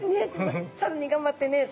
更に頑張ってねと。